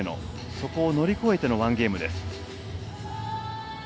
そこを乗り越えての１ゲームです。